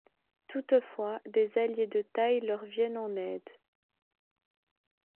Toutefois, des alliés de tailles leur viennent en aide.